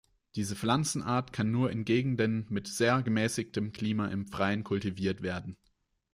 Diese Pflanzenart kann nur in Gegenden mit sehr gemäßigtem Klima im Freien kultiviert werden.